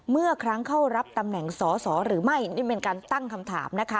เมื่อครั้งเข้ารับตำแหน่งสอสอหรือไม่นี่เป็นการตั้งคำถามนะคะ